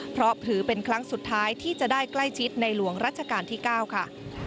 เพราะถือเป็นครั้งสุดท้ายที่จะได้ใกล้ชิดในหลวงรัชกาลที่๙ค่ะ